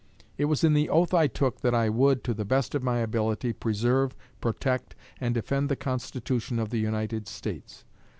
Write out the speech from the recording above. It was in the oath I took that I would, to the best of my ability, preserve, protect, and defend the Constitution of the United States.